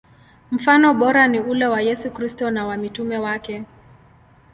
Mfano bora ni ule wa Yesu Kristo na wa mitume wake.